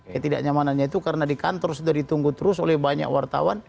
ketidaknyamanannya itu karena di kantor sudah ditunggu terus oleh banyak wartawan